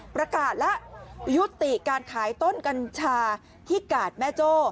ประกาศแล้วยุติการขายต้นกัญชาที่กาดแม่โจ้